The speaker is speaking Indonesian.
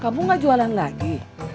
jangan enggak jualan lagi